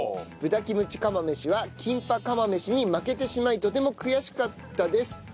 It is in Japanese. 豚キムチ釜飯はキンパ釜飯に負けてしまいとても悔しかったです。